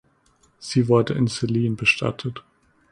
Sie wurde in Sellin bestattet.